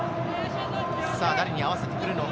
誰に合わせてくるのか？